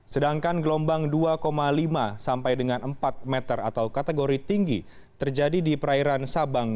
sedangkan gelombang dua lima sampai dengan empat meter atau kategori tinggi terjadi di perairan sabang